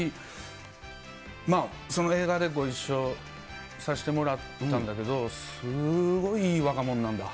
ちょっと、改めて北村いや、映画で一緒させてもらったんだけど、すごいいい若者なんだ。